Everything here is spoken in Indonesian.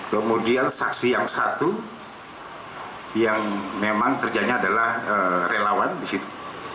kemudian saksi yang satu yang memang kerjanya adalah relawan di situ